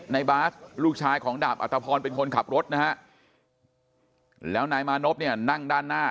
ในบาสลูกชายของดาบอัตภพรเป็นคนขับรถนะฮะแล้วนายมานพเนี่ยนั่งด้านหน้า